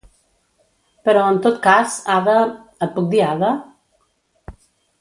Però en tot cas, Ada... Et puc dir Ada?